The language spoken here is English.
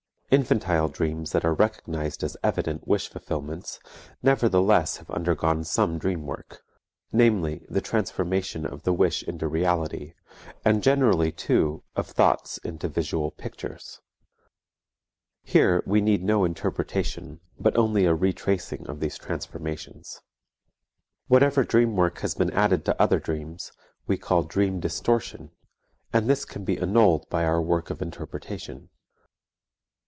Infantile dreams that are recognized as evident wish fulfillments nevertheless have undergone some dream work, namely, the transformation of the wish into reality, and generally, too, of thoughts into visual pictures. Here we need no interpretation, but only a retracing of these transformations. Whatever dream work has been added to other dreams, we call dream distortion, and this can be annulled by our work of interpretation.